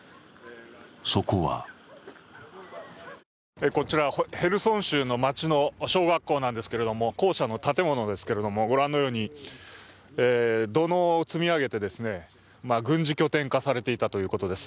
そこはこちらヘルソン州の街の小学校なんですけれども、校舎の建物ですけれども、ご覧のように土のうを積み上げて軍事拠点化されていたということです。